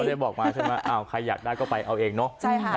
ไม่ได้บอกมาใช่ไหมใครอยากได้ก็ไปเอาเองเนอะ